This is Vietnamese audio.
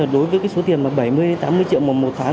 đối với số tiền bảy mươi đến tám mươi triệu một tháng